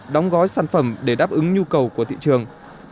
đóng gói sản phẩm để đáp ứng nhu cầu của thị trường